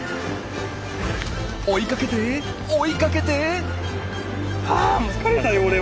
追いかけて追いかけて。